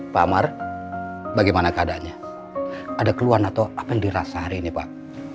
pak amar bagaimana keadaannya ada keluhan atau apa yang dirasa hari ini pak